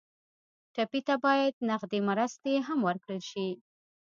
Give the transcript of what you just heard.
ټپي ته باید نغدې مرستې هم ورکړل شي.